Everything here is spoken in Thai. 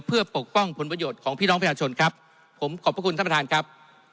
เพื่อปกป้องผลประโยชน์ของพี่น้องประชาชนครับผมขอบพระคุณท่านประธานครับ